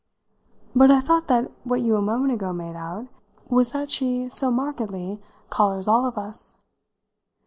"But I thought that what you a moment ago made out was that she so markedly collars all of us."